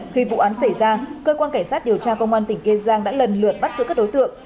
khi vụ án xảy ra cơ quan cảnh sát điều tra công an tỉnh kiên giang đã lần lượt bắt giữ các đối tượng